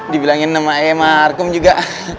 dibilangin sama ayah markum juga